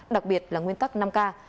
đặc biệt là nguyên tắc năm k